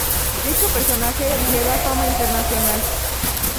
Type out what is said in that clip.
Dicho personaje le da fama internacional.